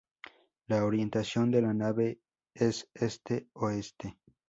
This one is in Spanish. La orientación de la nave es este-oeste.